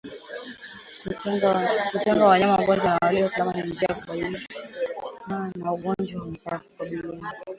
Kutenga wanyama wagonjwa na walio salama ni njia ya kukabiliana na ugonjwa wa mapafu